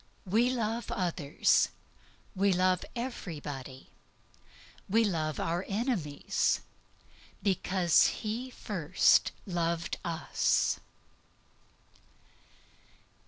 We love others, we love everybody, we love our enemies, because He first loved us.